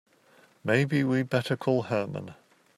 Maybe we'd better call Herman.